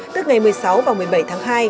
tức ngày một mươi sáu và một mươi bảy tháng hai